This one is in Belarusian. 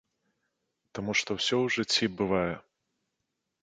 Таму што ўсё ў жыцці бывае.